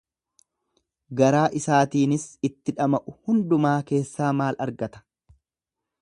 garaa isaatiinis itti dhama'u hundumaa keessaa maal argata?